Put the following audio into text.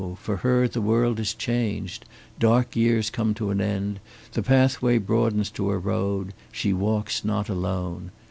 for her the world is changed, dark years come to an end, the pathway broadens to a road; she walks not alone.